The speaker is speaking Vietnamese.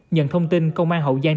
nhận thông tin công an hậu giang